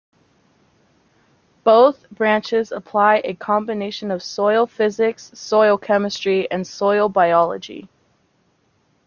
Both branches apply a combination of soil physics, soil chemistry, and soil biology.